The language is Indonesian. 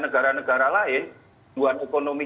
negara negara lain pertumbuhan ekonomi